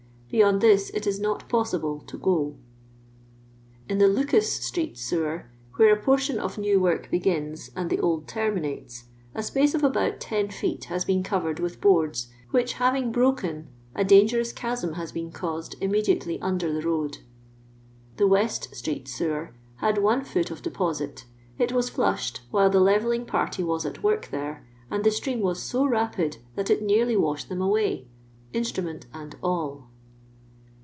Beyond this it is not possible to go.'* ''In the Lucas street sewer, where a portion d \ new work begins and the old terminates, a space of about 10 feet has been covered with boardi^ which, having broken, a dangerous chasm hsi been caused immediately under the road. " The West street sewer had one foot of d^ posit It was flushed while the levelling party was at work there, and the stream vras so n|d that it nearly i^iished them away, instrument ini all."